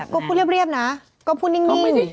ก็พูดเรียบนะก็พูดนิ่ง